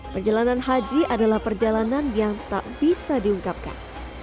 perjalanan haji adalah perjalanan yang tak bisa diungkapkan